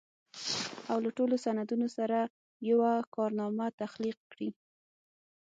او له ټولو سندونو سره يوه کارنامه تخليق کړي.